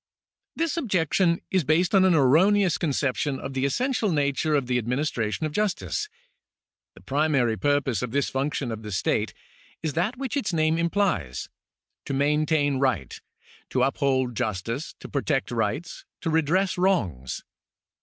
This objection is based on an erroneous conception of the essential nature of the administration of justice. The primary purpose of this function of the state is that which its name implies — to maintain right, to uphold justice, to protect rights, to redress wrongs.